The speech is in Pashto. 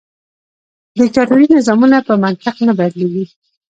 دیکتاتوري نظامونه په منطق نه بدلیږي.